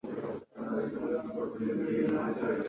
nawe nyagasani mwana w'ikine-e-ge